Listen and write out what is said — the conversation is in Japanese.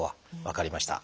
分かりました。